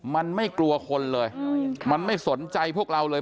มันไม่กลัวคนเลยมันไม่สนใจพวกเราเลย